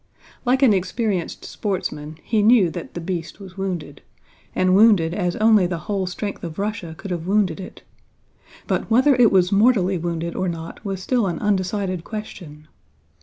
Like an experienced sportsman he knew that the beast was wounded, and wounded as only the whole strength of Russia could have wounded it, but whether it was mortally wounded or not was still an undecided question.